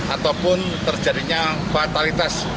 ataupun terjadinya fatalitas